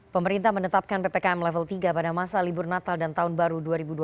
pemerintah menetapkan ppkm level tiga pada masa libur natal dan tahun baru dua ribu dua puluh